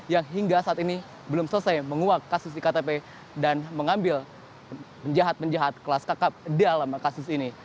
yang hingga saat ini belum selesai menguak kasus iktp dan mengambil penjahat penjahat kelas kakap dalam kasus ini